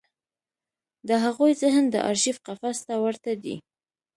د هغوی ذهن د ارشیف قفس ته ورته دی.